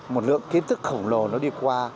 một lượng kiến thức khổng lồ nó đi qua